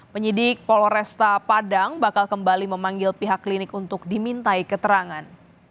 penyidik polresta padang bakal kembali memanggil pihak klinik untuk dimintai keterangan